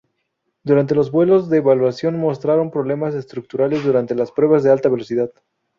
Durante, los vuelos de evaluación mostraron problemas estructurales durante las pruebas de alta velocidad.